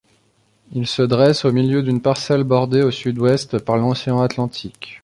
Il se dresse au milieu d'une parcelle bordée au sud-ouest par l'océan Atlantique.